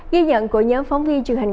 ghi nhận của nhóm phóng vi truyền hình